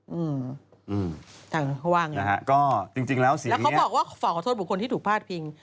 อืมคือว่าอย่างนี้นะฮะแล้วเขาบอกว่าฝ่าขอโทษบุคคลที่ถูกพลาดพิง